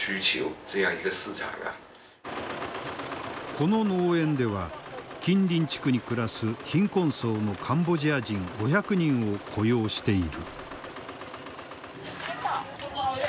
この農園では近隣地区に暮らす貧困層のカンボジア人５００人を雇用している。